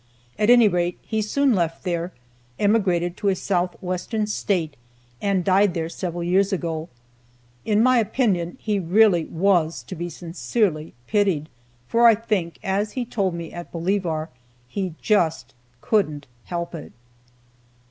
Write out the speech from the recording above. At any rate, he soon left there, emigrated to a southwestern State, and died there several years ago. In my opinion, he really was to be sincerely pitied, for I think, as he had told me at Bolivar, he just "couldn't help it."